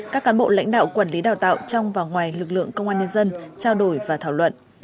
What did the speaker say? các cán bộ lãnh đạo quản lý đào tạo trong và ngoài lực lượng công an nhân dân trao đổi và thảo luận